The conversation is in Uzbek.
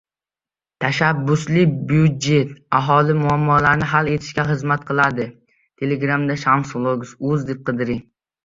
“Tashabbusli byudjet” aholi muammolarini hal etishga xizmat qiladi